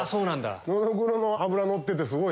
ノドグロの脂のっててすごい。